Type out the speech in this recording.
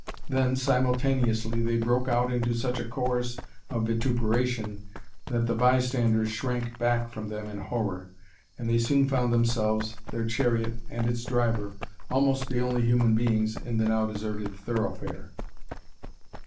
Then, simultaneously, they broke out into such a chorus of vituperation that the by standers shrank back from them in horror, and they soon found themselves, their chariot and its driver, almost the only human beings in the now deserted thoroughfare.